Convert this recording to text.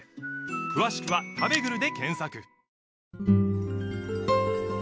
詳しくは「たべぐる」で検索